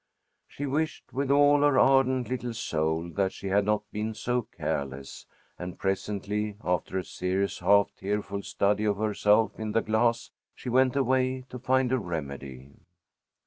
She wished with all her ardent little soul that she had not been so careless, and presently, after a serious, half tearful study of herself in the glass, she went away to find a remedy.